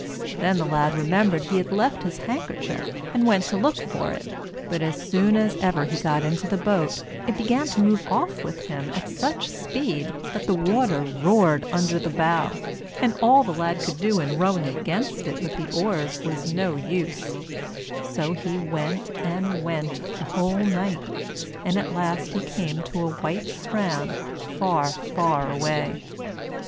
Then the lad remembered he had left his handkerchief, and went to look for it; but as soon as ever he got into the boat, it began to move off with him at such speed that the water roared under the bow, and all the lad could do in rowing against it with the oars was no use; so he went and went the whole night, and at last he came to a white strand, far far away.